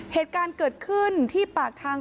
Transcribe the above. เหตุการณ์เกิดขึ้นที่ปากทาง